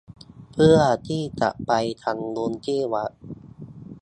เพื่อที่จะไปทำบุญที่วัด